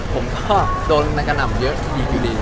ผมก็โดนกระหน่ำเยอะดีอยู่ดี